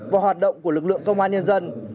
và hoạt động của lực lượng công an nhân dân